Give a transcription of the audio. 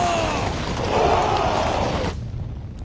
お！